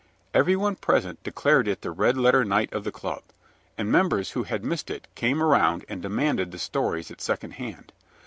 Everyone present declared it the red letter night of the club, and members who had missed it came around and demanded the stories at secondhand.